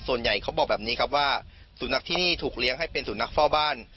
ส่วนใหญ่เขาบอกแบบนี้ครับว่าสุนัขที่นี่ถูกเลี้ยงให้เป็นสุนัขเฝ้าบ้าน